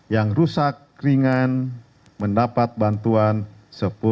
yang rusak ringan mendapat bantuan rp sepuluh juta